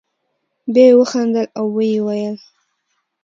بیا یې وخندل او ویې ویل.